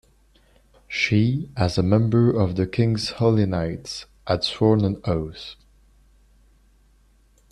She, as a member of the king's holy knights, had sworn an oath.